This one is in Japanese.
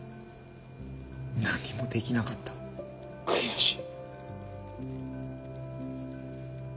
何もできなかった悔しい。